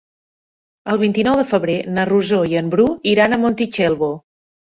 El vint-i-nou de febrer na Rosó i en Bru iran a Montitxelvo.